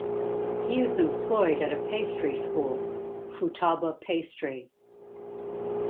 He is employed at a pastry school, Futaba Pastry.